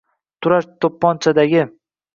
turar toʼpponchadagi